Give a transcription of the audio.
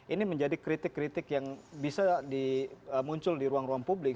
ini menjadi kritik kritik yang bisa muncul di ruang ruang publik